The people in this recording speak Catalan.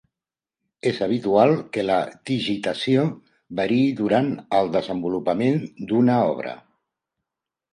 És habitual que la digitació variï durant el desenvolupament d’una obra.